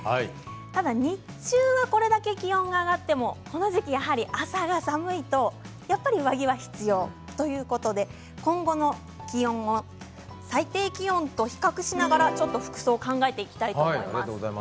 ただ日中はこれだけ気温が上がってもこの時期やはり朝が寒いとやっぱり上着が必要ということで今後の気温の最低気温と比較しながら服装を考えていきたいと思います。